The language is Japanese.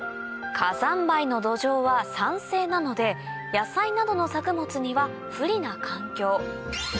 火山灰の土壌は酸性なので野菜などの作物には不利な環境